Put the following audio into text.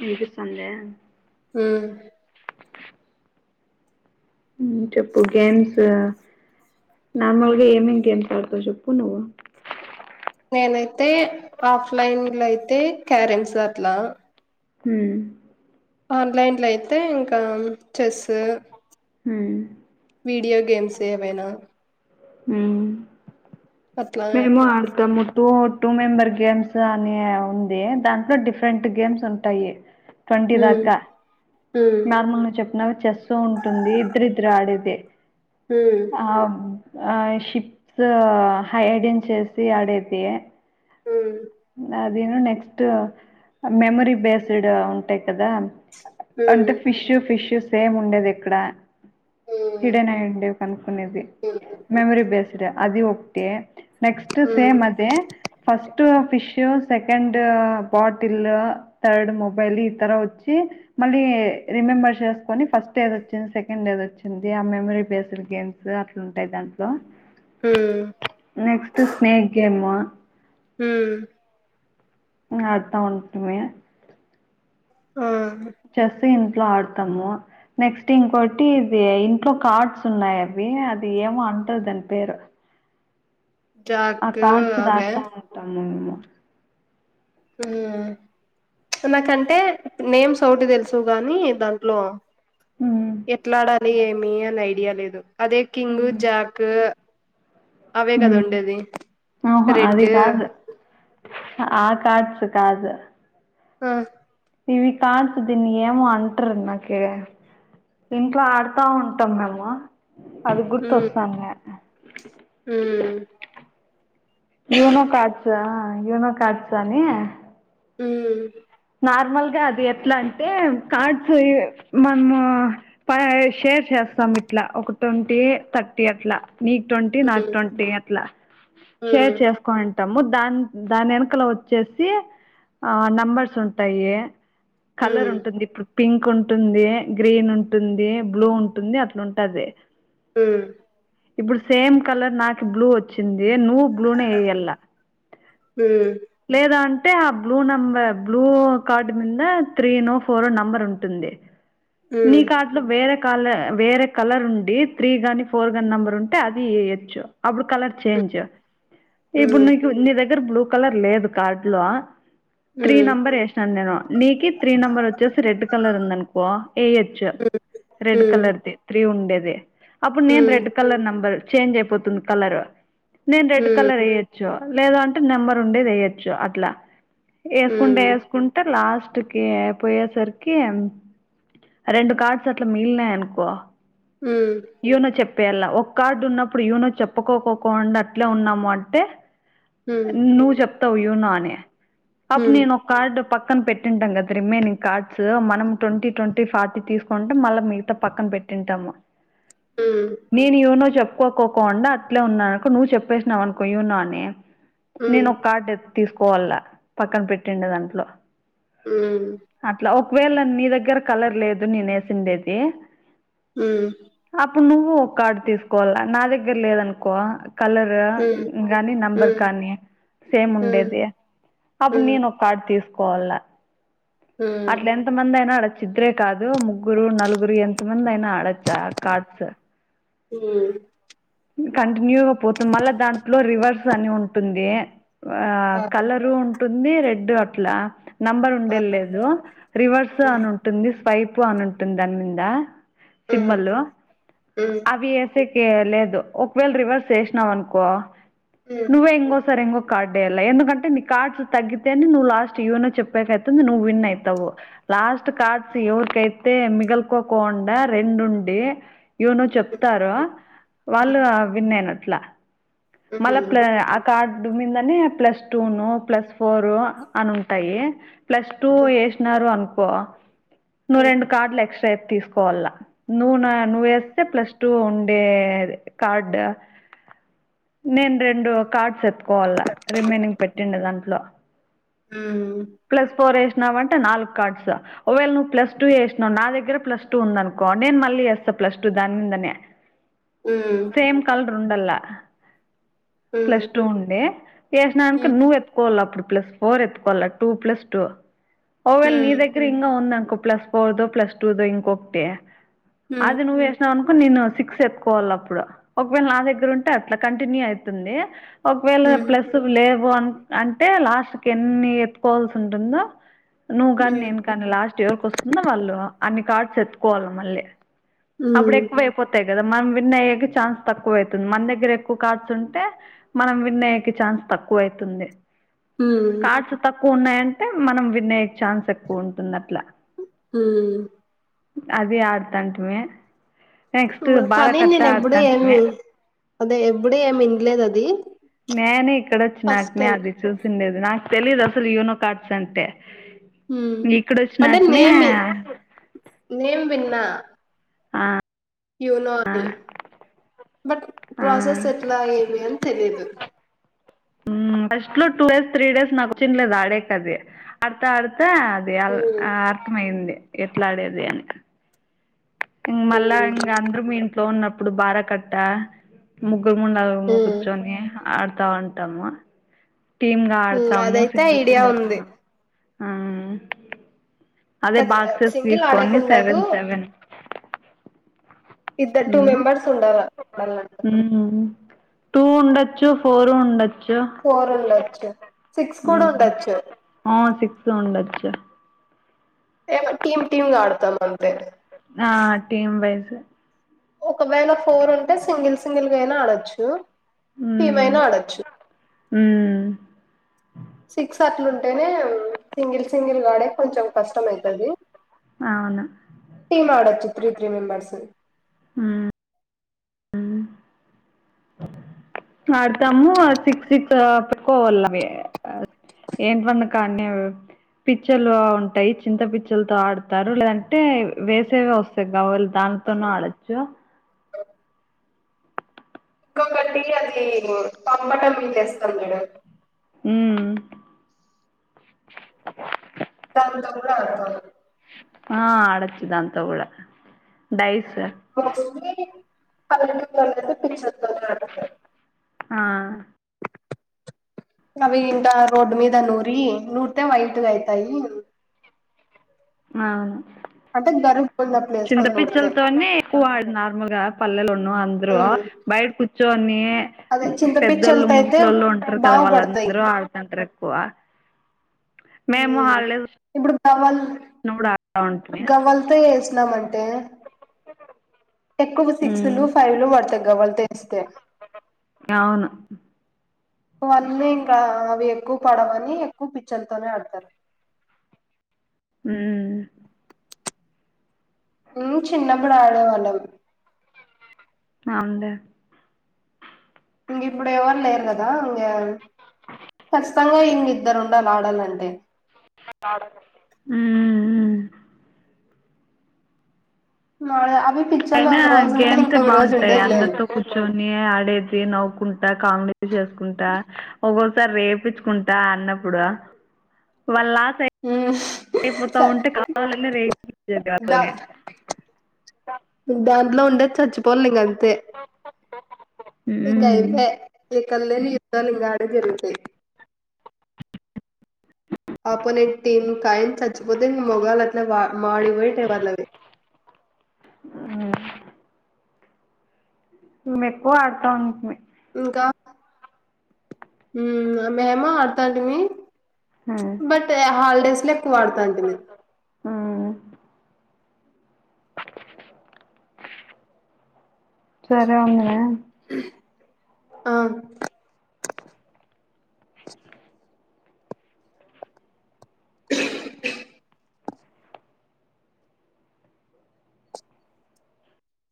వినిపిస్తుందా. ఆ చెప్పు, గేమ్స్ నార్మల్గా ఏమిమీ గేమ్స్ ఆడతావు. చెప్పు నువ్ నేనైతే ఆఫ్లైన్ లో అయితే క్యారెమ్స్ అట్లా హ ఆన్లైన్లో అయితే ఇంకా చెస్ హ వీడియో గేమ్స్ ఏవైనా అ అట్లా మేము ఆడతాము. టూ [unintelligible] టూ మెంబర్ గేమ్స్ అని ఉంది. దాంట్లో డిఫరెంట్ గేమ్స్ ఉంటాయి. ట్వంటీ ఉమ్ దాకా ఉమ్ నార్మల్ ను చెప్పినా చేస్తూ ఉంటుంది. ఇద్దరిద్దరు ఆడేది హ ఆ ఆ షిప్స్ హైడిన్ చేసి ఆడేది. హ అదేను నెక్స్ట్ మెమొరీ బేస్డ్ ఉంటాయి. కదా ఉమ్ అంటే ఫిష్ ఫిష్ సేమ్ ఉండేది. ఎక్కడ ఉమ్ హిడన్ అయండడి కనుకునేది మెమరీ బేస్డ్ అది ఒకటి నెక్స్ట్ ఉమ్ సేమ్ అదే first fish second, bottle third, mobile ఈతర వచ్చి మళ్ళీ రిమెంబర్ చేసుకొని ఫస్ట్ ఏది వచ్చింది. సెకండ్ ఏది వచ్చింది. ఆ మెమరీ బేస్ గేమ్స్ అట్లుంటాయి. దాంట్లో హ నెక్స్ట్ స్నేక్ గేమ్ హ ఉం అట్ట ఉంటమే ఆ చెస్ ఇంట్లో ఆడతాము నెక్స్ట్ ఇంకోటి ఇది ఇంట్లో కార్డ్స్ ఉన్నాయి అవి అది ఏమో అంటది దాని పేరు ఆ జాక్ కార్డ్స్ అవే దాడుతా ఉంటాము మేము ఉం నాకంటే నేమ్స్ ఒకటి తెలుసు గాని దాంట్లో హ్మ్. ఎట్లాడాలి ఏమి అని ఐడియా లేదు అదే కింగ్ జాక్ అవే కదా హ్మ్. ఉండేది ఆహా రెడ్ అది కాదు. ఆ కార్డ్స్ కాదూ ఆ ఇవి కార్డ్స్ దిని ఏమో అంటర నాకి ఇంట్లో ఆడుతా ఉంటాం మేము అది గుర్తొస్తోంది ఉం యోనో కార్డ్స్ ఆ యోనో కార్డ్స్ అని ఉం నార్మల్గా అది ఎట్లా అంటే కార్డ్స్ మనము షేర్ చేస్తాం ఇట్లా ఒక ట్వంటీ థర్టీ అట్లా నీకు ట్వంటీ నాకు మ్మ్ ట్వంటీ అట్లా షేర్ మ్మ్ చేస్త కొంటాము దాని దాని వెనకలో వచ్చేసి ఆ నంబర్స్ ఉంటాయి కలర్ మ్మ్ ఉంటుంది ఇప్పుడు పింక్ ఉంటుంది గ్రీన్ ఉంటుంది బ్లూ ఉంటుంది అట్లు ఉంటాది ఉం ఇప్పుడు సేమ్ కలర్ నాకు బ్లూ వచ్చింది నువ్వు బ్లూనే వేయలా మ్మ్ మ్మ్ లేదా అంటే ఆ బ్లూ నంబర్ బ్లూ కార్డు మీద త్రీ నో ఫోరో నంబర్ ఉంటుంది మ్మ్ మ్మ్ మ్మ్ మ్మ్ మ్మ్ మ్మ్ మ్మ్ మ్మ్ మ్మ్ మ్మ్ మ్మ్ మ్మ్ మ్మ్ మ్మ్ మ్మ్ నీ కార్డు వేరే కాల వేరే కలర్ ఉండి త్రీ గాని ఫోర్ గాని నంబర్ ఉంటే అది వేయచ్చు అప్పుడు కలర్ చెంజ్ ఇప్పుడు నీకు నీ దగ్గర బ్లూ కలర్ లేదు కార్డ్ లో త్రీ నెంబర్ వేసినాను నేను నీకి త్రీ నెంబర్ వచ్చేసి రెడ్ కలర్ ఉంది అనుకో ఏ చ్ రెడ్ కలర్ది త్రీ ఉండేది అప్పుడు నేను రెడ్ కలర్ నంబర్ చేంజ్ అయిపోతుంది కలర్ నేను రెడ్ కలర్ అయ చ్చో లేదా అంటే నెంబర్ ఉండేది వేయచ్చు అట్లా వేసుకుంట వేసుకుంట లాస్ట్ కి పోయేసరికి రెండు కార్డ్స్ అట్లా మిగిలినాయి అనుకో ఉం యూనో చెప్పేయాల ఒక కార్డు ఉన్నప్పుడు యునో చెప్పుకోకుండా అట్లా ఉన్నాము అంటే మ్మ్ మ్మ్ నువ్వు జప్పతవు యునో అని అప్పు నే కార్డు పక్కన పెట్టింటాం కదా రిమైనింగ్ కార్డ్స్ మనం ట్వంటీ ట్వంటీ ఫార్టీ తీసుకుంటాం మళ్ళీ మిగతా పక్కన పెట్టింటాము ఉం నేను యూనో చెప్పుకోకోండా అట్లే ఉన్నానుకో నువ్వు చెప్పేసినావు అనుకో యూనో అని నేను ఒక కార్డు తీసుకోవాల పక్కన పెట్టిండ దాంట్లో ఉం అట్లా ఒకవేళ నీ దగ్గర కలర్ లేదు నేనేేసిండేది హ అప్పుడు నువ్వు ఒక కార్డు తీసుకోవాల నా దగ్గర లేదనుకో కలర్ కానీ నెంబర్ కానీ సేమ్ ఉండేది అప్పుడు నేను ఒక కార్డు తీసుకోవాల అట్లా ఎంత మంది అయినా ఆడొచ్చు ఇద్ద్రే కాదు ముగ్గురు నలుగురు ఎంత మంది అయినా ఆడొచ్చ కాడ్స్ హ కంటిన్యూగా పోతుంది మళ్ళ దాంట్లో రివర్స్ అని ఉంటుంది ఆ కలరు ఉంటుంది రెడ్ అట్లా నంబర్ ఆ ఉండే లేదు రివర్స్ మ్మ్ అని ఉంటుంది స్వైప్ అని ఉంటుంది దాని మీద మ్మ్ సింబాలు మ్మ్ మ్మ్ అవి ఎసేకి లేదు ఒకవేళ రివర్స్ ఏసినవ్ అనుకో మ్మ్ మ్మ్ నువ్వే ఎంగోసార్ ఎంగ కార్డే ఎయాలా ఎందుకంటే నీ కార్డ్స్ తగ్గితేనే నువ్ లాస్ట్ యోనో చెప్పకయితుంది నువు విన్ అయితావు లాస్ట్ కార్డ్స్ ఎవరికై అయితే మిగల్కోకుండా రెండుండి యోనో చెప్తారో వాళ్ళు విన్ అయినట్లా మ్మ్ మళ్ళా ప కార్డు మీదనే ప్లస్ టూను ప్లస్ ఫోర్ అని ఉంటాయి ప్లస్ టూ వేసినారు అనుకో నువ్వు రెండు కార్డులు ఎక్స్ట్రా అయి తీసుకు కోల్ల నూన నువ్వేస్తే ప్లస్ టూ ఉండేది కార్డ్ నేను రెండు కార్డ్స్ ఎత్ కోవాల రిమైనింగ్ పెట్టిండే దాంట్లో ఉ ప్లస్ ఫోర్ వేసినావంటే నాలుగు కార్డ్స్ ఓవేళ నువ్వు ప్లస్ టూ ఎస్నావ్ నా దగ్గర ప్లస్ టూ ఉందనుకొ నేను మళ్ళీ ఏస్తా ప్లస్ టూ దాని మీదనే ఊ సేమ్ కలర్ ఉండల్లా మ్మ్ ప్లస్ టూ ఉండి వేసినాక హ్మ్ నువ్వు ఎ కోవాల అప్పుడు ప్లస్ ఫోర్ ఎత్తుకోవల్ల టూ ప్లస్ టూ ఓవేళ నీ హ్మ్ దగ్గర ఉందనుకో ప్లస్ ఫోర్ దో ప్లస్ టూ దో ఇంకొకటి హ్మ్ అది నువు ఎ సవనుకో నేను సిక్స్ ఎత్తుకోవాల్ల అప్పుడు ఒకవేళ నా దగ్గర ఉంటే అట్లా కంటిన్యూ అయితుంది ఒకవేళ హ్మ్ ప్లస్ లేవు అని అంటే లాస్ట్కి ఎన్ని ఎత్తుకోవాల్సి ఉంటుందో నువ్వు కాని నేను కానీ లాస్ట్ యోర్కి వస్తుందొ వాళ్ళు అన్ని కార్డ్స్ ఎత్తుకోవాలి మళ్ళీ అప్పుడు హ్మ్ ఎక్కువ అయిపోతాయి కదా మనం విన్ అయ్యేకి ఛాన్స్ తక్కువ అయితుంది మన దగ్గర ఎక్కువ కార్డ్స్ ఉంటే మనం విన్ అయ్యేకి ఛాన్స్ తక్కువ అయితుంది హ్మ్ కార్డ్స్ తక్కువ ఉన్నాయంటే మనం విన్ అయ్యేకి ఛాన్స్ ఎక్కువ ఉంటుంది అట్లా ఊ అది ఆడుతంటిమి కానీ నేను ఎప్పుడ ఏమి అదే ఎప్పుడు ఏమి ఇంలేదు అది నేనే ఇక్కడ వచ్చి నాకనే అది చూసిండేది నాకు తెలీదు అసలు యోనో కార్డ్స్ అంటే హ్మ్ ఇక్కడ అంటే వచ్చినాకనే నేమ్ నేమ్ విన్నా ఆ యోనో అని బట్ ప్రాసెస్ ఆ ఎట్లా ఏవి అని తెలియదు ఫస్ట్ లో టూ డేస్ త్రీ డేస్ నాకు వచ్చినలేదు ఆడేకది అట్ల అడితే అది అ హ్మ్ ఆ అర్థమయ్యంది ఎట్లాడేది అని మ్ మళ్ళా హ్మ్ ఇంగ అందరు ఇంట్లో ఉన్నప్పుడు బార కట్ట ముగ్గురు ముండలుము హ్మ్ కూర్చొని ఆడతావుంటాము టీమ్ గా హ్మ్ ఆడతాము అదైతే సింగిల్ ఐడియా సింగిల్గా ఉంది ఆ అదే బాక్సెస్ సింగిల్ తీసుకోని ఆడేకుండదు సెవెన్ సెవెన్ ఇద్దరు టూ మ్ మెంబర్స్ ఉండాల ఆడాలంటే మ్ టూ ఉండచ్చు ఫోర్ ఉండచ్ ఫోర్ ఉండొచ్చు సిక్స్ కూడా హ్మ్ ఉండొచ్చు ఆ సిక్స్ ఉండొచ్చు ఏ టీమ్ టీమ్ గ ఆడుతాం అంతే ఆ టీమ్ వైస్ ఒకవేళ ఫోర్ ఉంటే సింగిల్ సింగిల్ గా అయినా ఆడొచ్చు టీమ్ అయినా ఆడొచ్చు మ్ సిక్స్ అట్ల ఉంటేనే సింగిల్ సింగిల్ గాడే కొంచెం కష్టమయితది అవును టీీమ్ ఆడచ్చు త్రీ త్రీ మెంబర్స్ మ్ ఆడుతము ఆ సిక్స్ సిక్స్ పెట్కోవాలవి ఏంటి వన్ని కాన్నే పిచ్చలు ఉంటాయి చింత పిచ్చలతో ఆడుతారు లేదంటే వేసేవి వస్తాయి గవ్వలు దాన్ తోని ఆడొచ్చు కంబట్టి అది పాంపట్టం మీద ఏస్తరు మేడం మ్ తంతం కూడా అర్థ ఆ ఆడొచ్చు దాంతో కూడా ఆ డైస్ మా రూమే [unintelligible] పిచ్చల్ తోని ఆడుతారు ఆ ఆ అవి ఇంకా రోడ్డు మీద నూరి నూరితే వైట్గా అయితాయి అవును అంటే గరుకుబండ ప్లేస్ లొ నూరితే చింతపిచ్చలతోనే ఎక్కువ వాడు నార్మల్ గా పల్లెలోన్న అందరు ఉమ్ బయట కూర్చోని అదే పెద్దళ్ళు చింతపిచ్చలతో అయితే ముసలీ వాళ్ళు ఉంటారు కదా బాగుపడతాయి వాళ్ళందరూ ఆడుతుంటారు ఎక్కువ మేము మ్ హాలిడేస్ ఇప్పుడు గవ్వలు వచ్చినప్పుడు ఆడుతా ఉంటిమి గవ్వలతో వేసినాం అంటే ఎక్కువ సిక్స్ లు ఉమ్ ఫైవ్ లు పడుతాయి గవ్వల్తో వేస్తే అవును వాళ్ళ ఇంకా అవి ఎక్కువ పడవని ఎక్కువ పిచ్చలతోనే ఆడుతారు మ్ మేము చిన్నప్పుడు ఆడేవాళ్ళం అవున్లే ఇంగ ఇప్పుడు ఎవరు లేరు కదా ఇంగ ఖచ్చితంగా ఇంగ ఇద్దరు ఉండాలే ఆడాలంటే నిను ఆడాను మ్ మా అవి పిచ్చలు అయినా ఒక రోజు ఉంటే గేమ్సే ఇంకొక రోజు బాగుంటాయి ఉండేదిలేదు అందరితో కూర్చొని ఆడేది నవ్వుకుంటా కామెడీ చేసుకుంటా ఒక్కొక్కసారి రేపిచ్ కుంట అన్నప్పుడు వాళ్ళు లాస్ అయి హ్ అయిపోతా ఉంటే కావాలని [unintelligible] దా అట్లానే దాంట్లో ఉండేది చచ్చిపోవాలి ఇంగా అంతే [unintelligible] ఇంకా మ్మ్ అయిపోయే ఎక్కడలేని యుద్ధాలు ఇంగ ఆడే జరుగుతాయి అపోనేంట్ టీం కాయిన్ సచ్చిపోతే మోగాలు అట్లా మాడికి పోయి [unintelligible] హా మేము ఎక్కువ ఆడతాం ఉంటుమీ ఇంకా మేము ఆడతాంట మీ బట్ హాలిడేస్ లో ఎక్కువ ఆడతంటీమీ ఆ సరే అండి ఆ స కూ